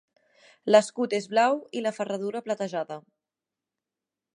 L'escut és blau i la ferradura platejada.